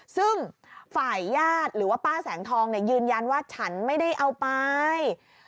ซึ่งฝ่ายญาติหรือว่าป้าแสงทองยืนยันว่าฉันไม่ได้เอาไป